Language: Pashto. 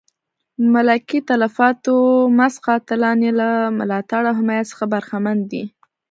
ملکي تلفاتو مست قاتلان یې له ملاتړ او حمایت څخه برخمن دي.